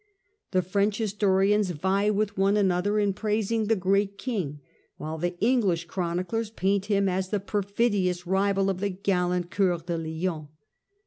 The French historians vie with one another in praising the great king, while the English chroniclers paint him as the perfidious rival of the gallant Cceur de Lion.